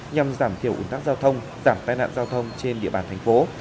nhằm giảm thiểu ủng tác giao thông giảm tai nạn giao thông trên địa bàn thành phố